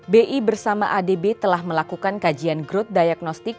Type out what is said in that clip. bi bersama adb telah melakukan kajian growth diagnostik